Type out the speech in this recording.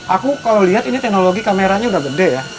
aku kalau lihat ini teknologi kameranya udah gede ya